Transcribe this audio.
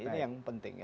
ini yang penting ya